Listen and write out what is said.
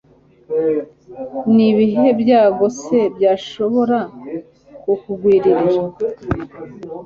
ni ibihe byago se byashobora kungwirira